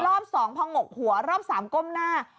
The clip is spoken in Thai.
รอบสองผ่องหกหัวรอบสามก้มหน้า